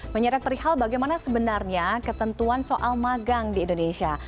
menyeret perihal bagaimana sebenarnya ketentuan soal magang di indonesia